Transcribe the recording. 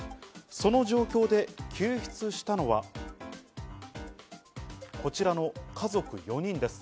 その状況で救出したのは、こちらの家族４人です。